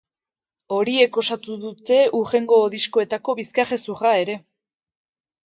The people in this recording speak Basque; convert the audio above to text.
Horiek osatu dute hurrengo diskoetako bizkarrezurra ere.